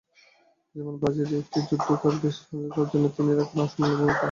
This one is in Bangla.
জীবন বাজি রেখে যুদ্ধ করে দেশের স্বাধীনতা অর্জনে তিনি রাখেন অসামান্য ভূমিকা।